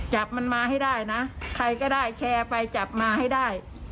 จับมันมาให้ได้นะใครก็ได้แชร์ไปจับมาให้ได้